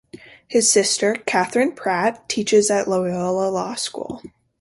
His sister, Katherine Pratt, teaches at Loyola Law School.